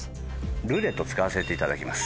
「ルーレット」使わせていただきます。